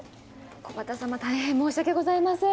木幡様大変申し訳ございません。